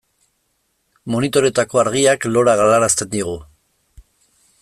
Monitoreetako argiak loa galarazten digu.